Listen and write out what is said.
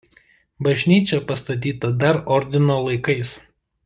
Bažnyčia pastatyta dar Ordino laikais.